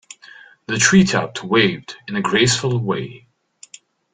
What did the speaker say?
The tree top waved in a graceful way.